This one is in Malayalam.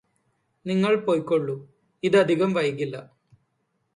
നിങ്ങള് പോയിക്കോളു ഇതധികം വൈകില്ലാ